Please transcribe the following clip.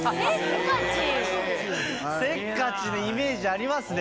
せっかちなイメージありますね